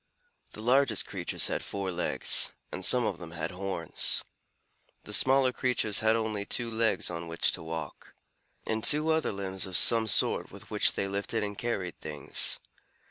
The largest creatures had four legs, and some of them had horns. The smaller creatures had only two legs on which to walk, and two other limbs of some sort with which they lifted and carried things.